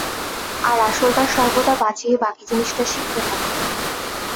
আর আসলটা সর্বদা বাঁচিয়ে বাকী জিনিষ শিখতে হবে।